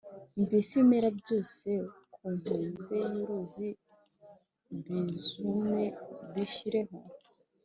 mbese ibimera byose ku nkombe y’uruzi bizume, bishireho,